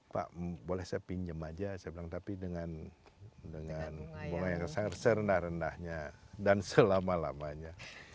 pak boleh saya pinjem aja saya bilang tapi dengan dengan dengan seremah remahnya dan selama lamanya